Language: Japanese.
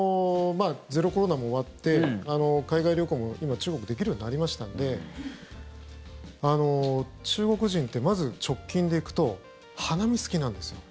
ゼロコロナも終わって海外旅行も、今、中国はできるようになりましたので中国人って、まず直近で行くと花見好きなんですよ。